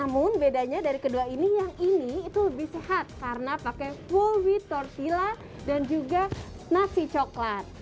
namun bedanya dari kedua ini yang ini itu lebih sehat karena pakai fully tortilla dan juga nasi coklat